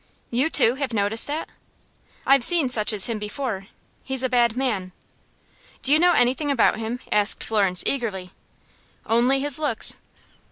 "You, too, have noticed that?" "I've seen such as him before. He's a bad man." "Do you know anything about him?" asked Florence, eagerly. "Only his looks."